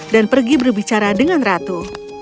pergi berbicara dengan ratu